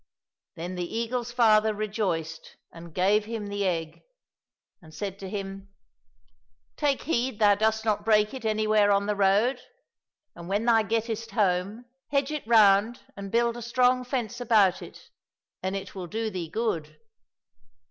Then the eagle's father rejoiced and gave him the 243 COSSACK FAIRY TALES egg, and said to him, " Take heed thou dost not break it anywhere on the road, and when thou gettest home, hedge it round and build a strong fence about it, and it will do thee good."